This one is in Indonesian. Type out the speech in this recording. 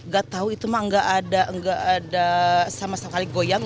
gak tahu itu mah nggak ada sama sekali goyang